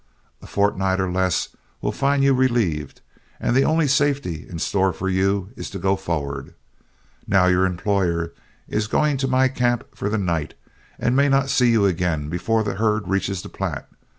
A fortnight or less will find you relieved, and the only safety in store for you is to go forward. Now your employer is going to my camp for the night, and may not see you again before this herd reaches the Platte.